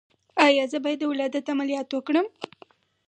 ایا زه باید د ولادت عملیات وکړم؟